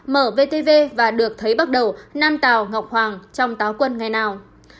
mở vtv và được thấy bắt đầu nam tào ngọc hoàng trong táo quân ngày nào